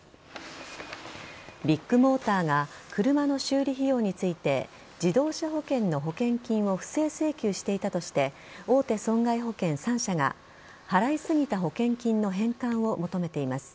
ビッグモーターが車の修理費用について自動車保険の保険金を不正請求していたとして大手損害保険３社が払いすぎた保険金の返還を求めています。